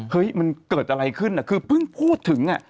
เฮ้ยมันเกิดอะไรขึ้นคือเพิ่งพูดถึง